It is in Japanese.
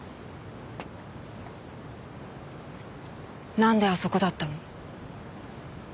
なんであそこだったの？